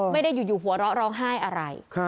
ไม่ได้อยู่หัวเราะร้องไห้อะไร